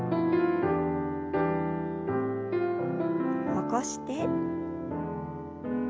起こして。